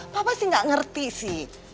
papa sih nggak ngerti sih